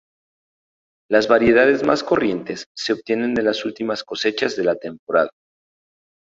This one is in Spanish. Las variedades más corrientes se obtienen de las últimas cosechas de la temporada.